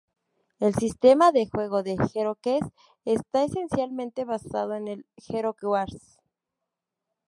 El sistema de juego de "HeroQuest" está esencialmente basado en el de "Hero Wars".